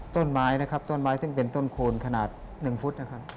ต้นไม้นะครับต้นไม้ซึ่งเป็นต้นโคนขนาด๑ฟุตนะครับ